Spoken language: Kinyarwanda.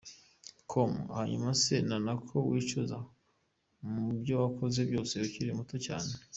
com : Hanyuma se nta n’ako wicuza mu byo wakoze byose ukiri muto cyane ?.